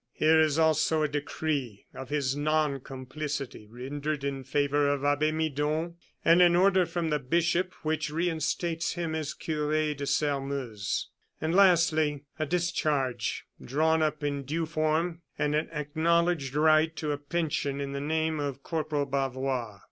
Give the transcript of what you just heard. Here is also a decree of his non complicity rendered in favor of Abbe Midon, and an order from the bishop which reinstates him as Cure of Sairmeuse; and lastly, a discharge, drawn up in due form, and an acknowledged right to a pension in the name of Corporal Bavois."